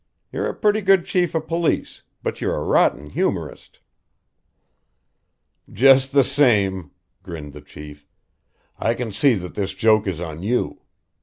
You're a pretty good chief of police but you're a rotten humorist." "Just the same," grinned the chief, "I can see that this joke is on you!